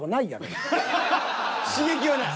刺激はない。